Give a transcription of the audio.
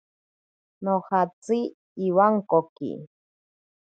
Nojatsi iwankoki.